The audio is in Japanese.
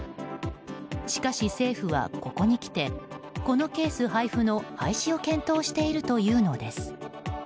しかし、政府はここにきてこのケース配布の廃止を検討しているというのです。